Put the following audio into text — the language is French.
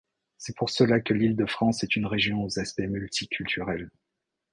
C'est pour cela que l'île -de-France est une région aux aspect multiculturels.